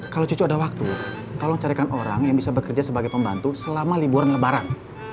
kalau cucu ada waktu tolong carikan orang yang bisa bekerja sebagai pembantu selama liburan lebaran